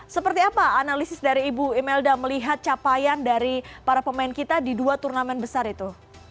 seperti apa analisis dari ibu imelda melihat capaian dari para pemain kita di dua turnamen besar itu